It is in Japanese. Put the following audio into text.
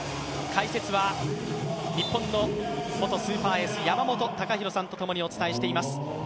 解説は日本の元スーパーエース、山本隆弘さんと共にお伝えをしています。